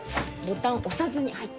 ボタン押さずにはい。